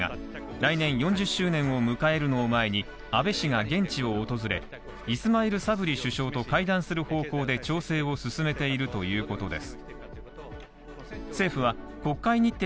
来年４０周年を迎えるのを前に、安倍氏が現地を訪れイスマイル・サブリ首相と会談する方向で調整を進めているということです。